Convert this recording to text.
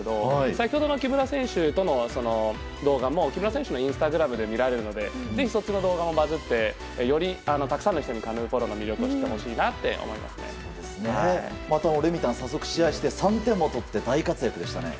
先ほどの木村選手との動画も木村選手のインスタグラムで見られるのでぜひそっちの動画もバズって、よりたくさんの人にカヌーポロの魅力を知ってほしいなとレミたん、早速試合して３点も取って大活躍でしたね。